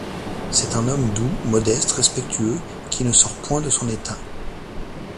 C'est un homme doux, modeste, respectueux, qui ne sort point de son état.